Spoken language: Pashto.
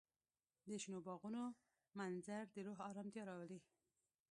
د شنو باغونو منظر د روح ارامتیا راولي.